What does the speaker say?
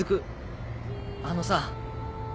雫あのさ。